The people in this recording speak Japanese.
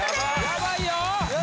やばいよ